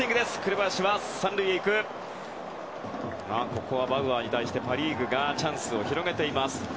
ここはバウアーに対してパ・リーグがチャンスを広げています。